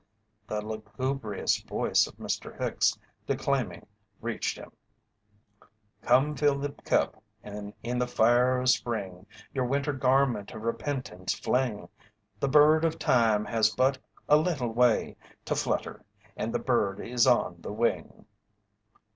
The lugubrious voice of Mr. Hicks declaiming reached him: "Come, fill the Cup, and in the fire of Spring Your Winter garment of Repentance fling! The Bird of Time has but a little way To flutter and the bird is on the wing."